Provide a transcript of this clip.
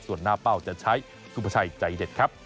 ส่วนหน้าเป้าจะใช้สุภาชัยใจเด็ดครับ